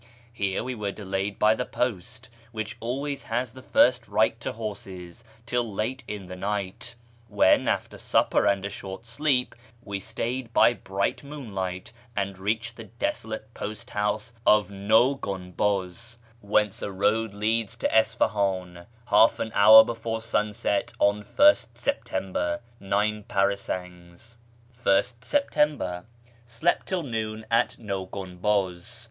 Here we were delayed by the post, which always has the first right to horses, till late in the night, when, after supper and a short sleep, we started by bright moonlight, and reached the desolate post house of Naw Gunbuz (whence a road leads to Isfahan) half an hour before sunrise on 1st September (nine parasangs). \st Se/ptmibcr. — Slept till noon at Naw Gunbuz.